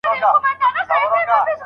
نظري پوهه تر عملي پوهې ژوره ده.